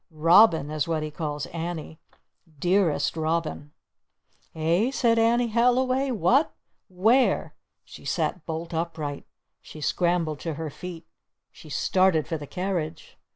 'Robin' is what he calls Annie! 'Dearest Robin' " "Eh?" said Annie Halliway. "What? Where?" She sat bolt upright! She scrambled to her feet! She started for the carriage!